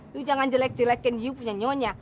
iu jangan jelek jelekin iu punya nyonya